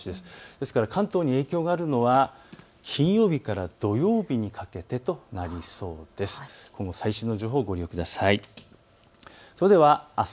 ですから関東に影響があるのは金曜日から土曜日にかけてとなりそうです。